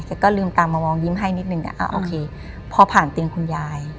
ก็ลืมตามมามองยิ้มให้นิดนึงโอเคพอผ่านเตียงคุณยาย